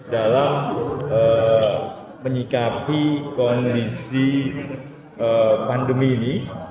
dalam menyikapi kondisi pandemi ini